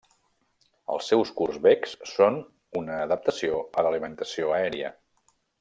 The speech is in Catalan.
Els seus curts becs són una adaptació a l'alimentació aèria.